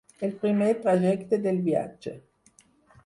El primer trajecte del viatge.